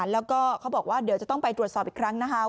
แล้วก็เขาบอกว่าเดี๋ยวจะต้องไปตรวจสอบอีกครั้งนะคะ